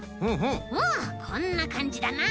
こんなかんじだな。